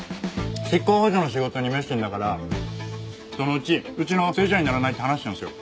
執行補助の仕事に熱心だから「そのうちうちの正社員にならない？」って話してたんですよ。